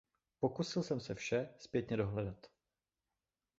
Pokusil jsem se vše zpětně dohledat.